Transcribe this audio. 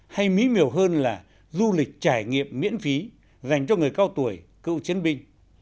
hay mỹ miều hơn là du lịch trải nghiệm miễn phí dành cho người cao tuổi cựu chiến binh